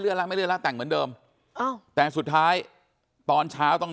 แล้วไม่เลื่อนแล้วแต่งเหมือนเดิมอ้าวแต่สุดท้ายตอนเช้าต้อง